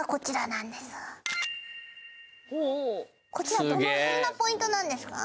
こちらどの辺がポイントなんですか？